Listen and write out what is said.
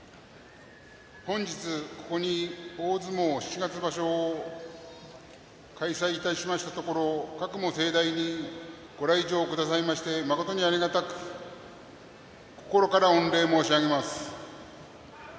本日、ここに大相撲七月場所を開催いたしましたところかくも盛大にご来場くださいまして誠にありがたく心から御礼申し上げます。